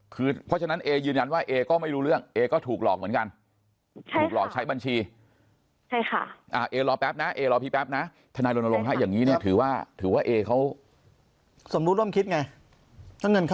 คือเพราะฉะนั้นเอยืนยันว่าเอก็ไม่รู้เรื่องเอก็ถูกหลอกเหมือนกัน